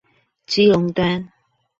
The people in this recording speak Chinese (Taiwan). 基隆端